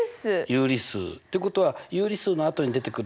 有理数。っていうことは有理数の後に出てくるのが。